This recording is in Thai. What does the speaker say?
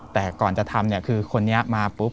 แต่ก่อนจะทำเนี่ยคือคนนี้มาปุ๊บ